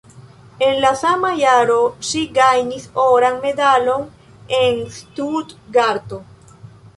En la sama jaro ŝi gajnis oran medalon en Stutgarto.